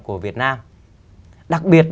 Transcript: của việt nam đặc biệt